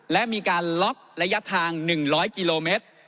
และมีการล็อกระยะทาง๑๐๐กิโลเมตร